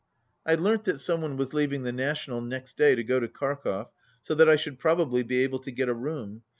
I learnt that some one was leaving the National next day to go to Kharkov, so that I should prob ably be able to get a room.